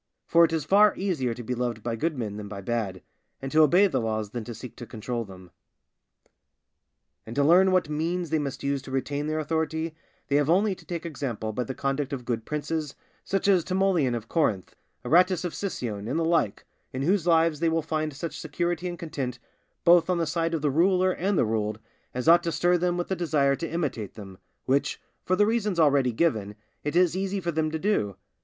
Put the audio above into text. For it is far easier to be loved by good men than by bad, and to obey the laws than to seek to control them. And to learn what means they must use to retain their authority, they have only to take example by the conduct of good princes, such as Timoleon of Corinth, Aratus of Sicyone, and the like, in whose lives they will find such security and content, both on the side of the ruler and the ruled, as ought to stir them with the desire to imitate them, which, for the reasons already given, it is easy for them to do.